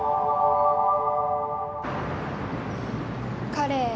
彼。